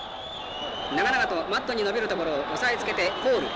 長々とマットにのびるところを押さえつけてフォール。